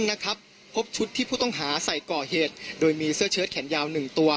นะครับพบชุดที่ผู้ต้องหาใส่ก่อเหตุโดยมีเสื้อเชิดแขนยาว๑ตัว